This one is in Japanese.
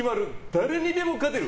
誰にでも勝てる！